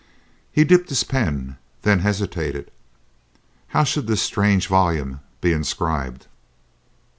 He dipped his pen, then hesitated; how should this strange volume be inscribed?